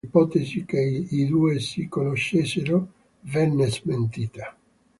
Tuttavia l'ipotesi che i due si conoscessero venne smentita.